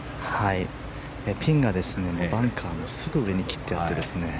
ピンがバンカーのすぐ上に切ってあって。